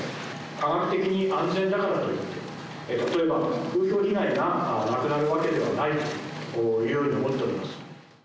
科学的に安全だからといって、例えば、風評被害がなくなるわけではないというように思っております。